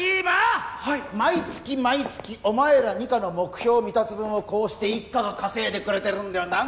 はい毎月毎月お前ら二課の目標未達分をこうして一課が稼いでくれてるんだよ